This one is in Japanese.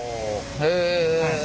へえ。